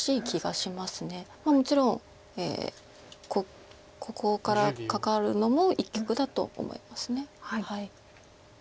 もちろんここからカカるのも一局だと思います。